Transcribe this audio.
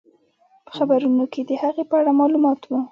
په خبرونو کې د هغې په اړه معلومات وو.